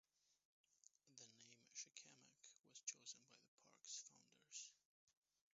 The name "Shakamak" was chosen by the park's founders.